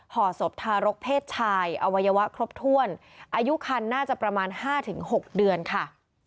ห่อศพทารกเพศชายอวัยวะครบถ้วนอายุคันน่าจะประมาณ๕๖เดือนค่ะ